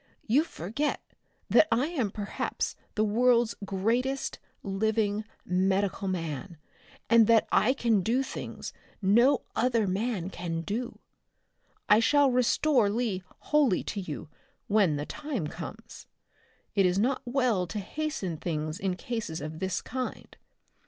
You forget that I am perhaps the world's greatest living medical man, and that I can do things no other man can do. I shall restore Lee wholly to you when the time comes. It is not well to hasten things in cases of this kind.